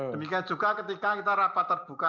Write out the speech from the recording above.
demikian juga ketika kita rapat terbuka